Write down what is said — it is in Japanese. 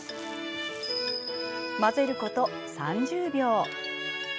混ぜること３０秒。